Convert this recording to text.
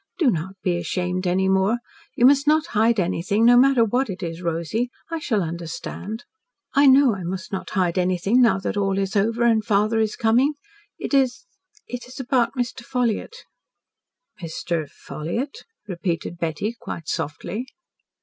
Do not be ashamed any more. You must not hide anything, no matter what it is, Rosy. I shall understand." "I know I must not hide anything, now that all is over and father is coming. It is it is about Mr. Ffolliott." "Mr. Ffolliott?" repeated Betty quite softly.